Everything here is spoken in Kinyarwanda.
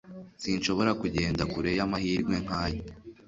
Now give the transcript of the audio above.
Sinshobora kugenda kure y'amahirwe nkaya.